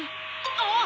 あっ！